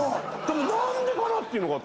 何でかな？っていうのが。